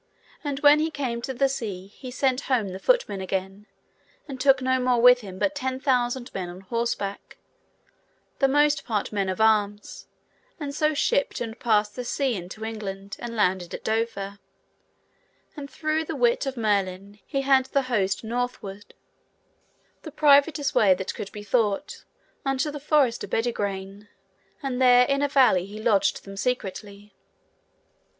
And when he came to the sea he sent home the footmen again, and took no more with him but ten thousand men on horseback, the most part men of arms, and so shipped and passed the sea into England, and landed at Dover; and through the wit of Merlin, he had the host northward, the priviest way that could be thought, unto the forest of Bedegraine, and there in a valley he lodged them secretly.